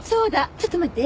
ちょっと待って。